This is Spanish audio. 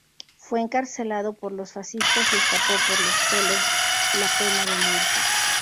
Fue encarcelando por los fascistas y escapó por los pelos la pena de muerte.